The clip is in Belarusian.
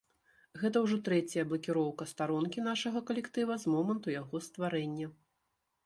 Гэта ўжо трэцяя блакіроўка старонкі нашага калектыва з моманту яго стварэння.